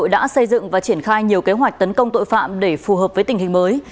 đã xây dựng và triển khai nhiều kế hoạch tấn công tội phạm để phù hợp với tình hình mới